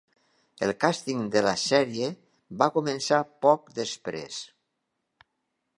El càsting de la sèrie va començar poc després.